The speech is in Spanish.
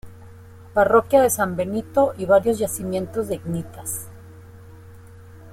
Parroquia de San Benito y varios yacimientos de icnitas.